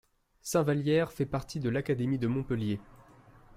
Sainte-Valière fait partie de l'académie de Montpellier.